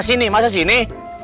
pukulnya udah si hai